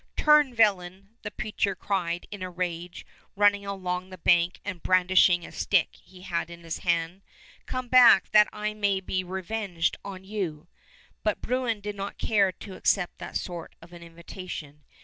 "Turn, villain," the preacher cried in a rage, running along the bank and brandishing a stick he had in his hand; "come back that I may be revenged on you." But Bruin did not care to accept that sort of an invitation.